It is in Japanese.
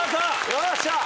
よっしゃ！